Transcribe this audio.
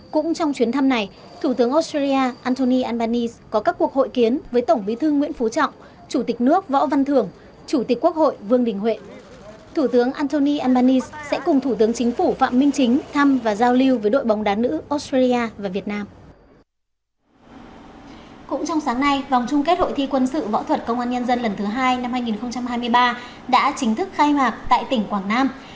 cũng trong sáng nay vòng chung kết hội thi quân sự võ thuật công an nhân dân lần thứ hai năm hai nghìn hai mươi ba đã chính thức khai mạc tại tỉnh quảng nam